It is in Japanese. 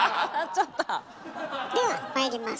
ではまいります。